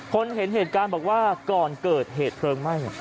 เห็นเหตุการณ์บอกว่าก่อนเกิดเหตุเพลิงไหม้